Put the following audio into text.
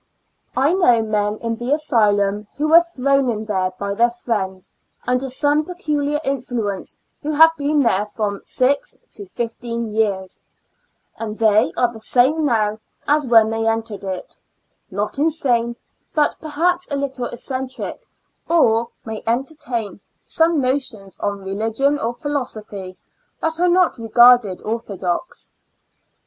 I know men in the asylum who were thrown in there by their friends, under some peculiar influence, who have been there from six to fifteen years ; and they are the same now as when they entered it, not insane, but perhaps a little eccentric, or may entertain some notions on religion or philosophy that are not regarded orthodox.